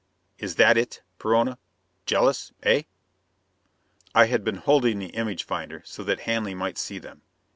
Is that it, Perona? Jealous, eh?" I had been holding the image finder so that Hanley might see them.